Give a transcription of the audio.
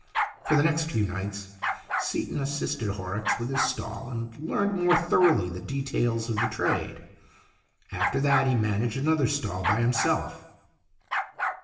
For the next few nights Seaton assisted Horrocks with his stall, and learned more thoroughly the details of the trade. After that he managed another stall by himself.